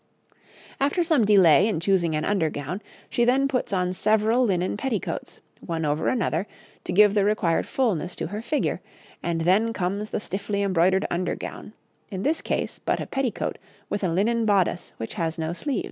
After some delay in choosing an under gown, she then puts on several linen petticoats, one over another, to give the required fulness to her figure; and then comes the stiffly embroidered under gown in this case but a petticoat with a linen bodice which has no sleeves.